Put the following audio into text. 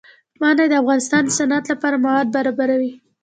منی د افغانستان د صنعت لپاره مواد برابروي.